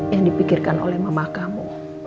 yang dipikirkan oleh mamah kamu